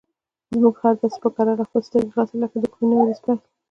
زموږ خر داسې په کراره خپلې سترګې خلاصوي لکه د کومې نوې ورځې پیل.